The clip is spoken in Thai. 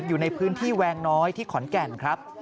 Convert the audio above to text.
อยู่ในพื้นที่แวงน้อยที่ขอนแก่นครับ